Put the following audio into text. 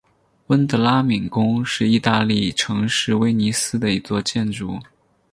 温德拉敏宫是义大利城市威尼斯的一座建筑。